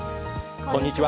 こんにちは。